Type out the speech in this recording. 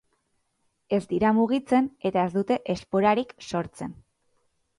Ez dira mugitzen eta ez dute esporarik sortzen.